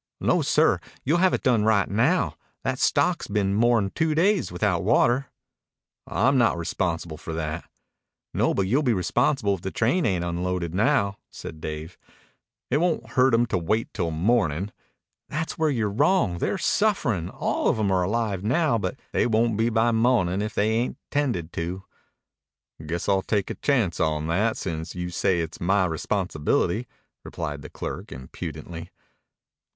"No, sir. You'll have it done right now. That stock has been more'n two days without water." "I'm not responsible for that." "No, but you'll be responsible if the train ain't onloaded now," said Dave. "It won't hurt 'em to wait till morning." "That's where you're wrong. They're sufferin'. All of 'em are alive now, but they won't all be by mo'nin' if they ain't 'tended to." "Guess I'll take a chance on that, since you say it's my responsibility," replied the clerk impudently.